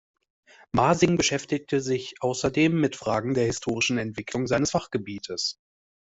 Masing beschäftigte sich außerdem mit Fragen der historischen Entwicklung seines Fachgebietes.